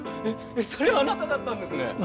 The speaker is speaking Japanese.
えっそれあなただったんですね。